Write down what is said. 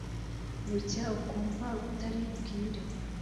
bwacya ukumva butari bwire !